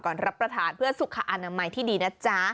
รับประทานเพื่อสุขอนามัยที่ดีนะจ๊ะ